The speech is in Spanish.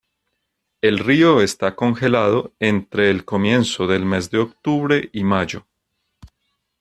El río está congelado entre el comienzo del mes de octubre y mayo.